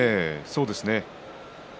そうですね。